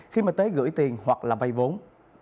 khi mà tới gửi tiền hoặc là vây vốn